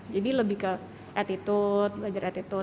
jadi lebih ke attitude belajar attitude